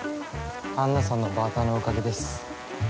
安奈さんのバーターのおかげです。